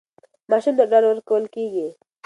ماشوم ته ډاډ ورکول کېږي.